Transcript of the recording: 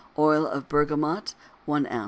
Oil of bergamot 1 oz.